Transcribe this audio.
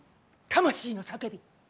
魂の叫び！